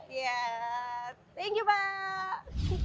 thank you pak